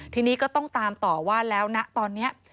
ทีนี้ก็ต้องตามต่อว่าแล้วนะตอนนี้